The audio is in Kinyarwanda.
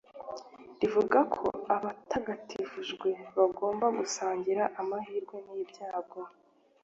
rivuga ko abatagatifujwe bagomba gusangira amahirwe n'ibyago